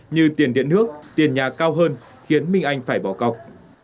như tiền điện nước tiền nhà cao hơn khiến minh anh phải bỏ cọc